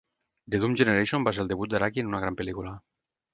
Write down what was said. "The Doom Generation" va ser el debut d'Araki en una gran pel·lícula.